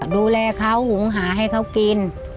ดูแลเขาหุงหาให้เขากิน